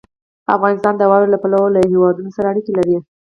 افغانستان د واورې له پلوه له هېوادونو سره اړیکې لري.